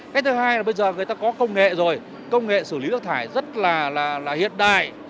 cái thứ hai là bây giờ người ta có công nghệ rồi công nghệ xử lý nước thải rất là hiện đại